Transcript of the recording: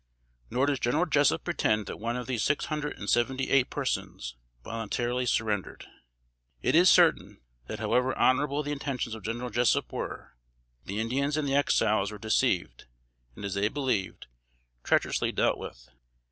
Nor does General Jessup pretend that one of those six hundred and seventy eight persons voluntarily surrendered. It is certain, that however honorable the intentions of General Jessup were, the Indians and the Exiles were deceived, and, as they believed, treacherously dealt with.